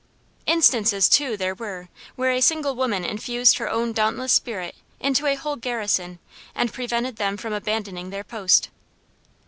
Instances too there were, where a single woman infused her own dauntless spirit into a whole garrison, and prevented them from abandoning their post.